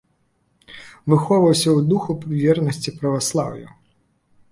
Выхоўваўся ў духу вернасці праваслаўю.